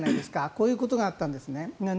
こういうことがあったんですね。